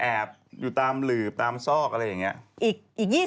อยู่ตามหลืบตามซอกอะไรอย่างนี้